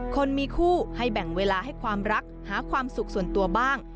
คนมีคู่ให้แบ่งเวลาให้ความรักหาความสุขส่วนตัวบ้าง